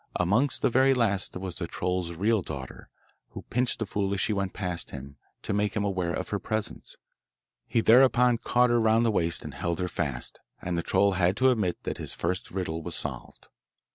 Amongst the very last was the troll's real daughter, who pinched the fool as she went past him to make him aware of her presence. He thereupon caught her round the waist and held her fast, and the troll had to admit that his first riddle was solved.